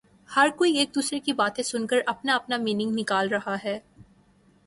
ہر کوئی ایک دوسرے کی باتیں سن کر اپنا اپنا مینینگ نکال رہا ہے